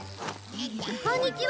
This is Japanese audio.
こんにちは。